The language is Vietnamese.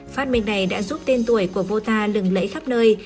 phát minh này đã giúp tên tuổi của bota lừng lẫy khắp nơi